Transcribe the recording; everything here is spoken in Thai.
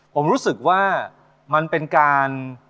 ผมรู้สึกว่ามันเป็นการ